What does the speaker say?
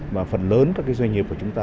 và phần lớn các doanh nghiệp của chúng ta